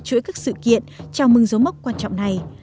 chuỗi các sự kiện chào mừng dấu mốc quan trọng này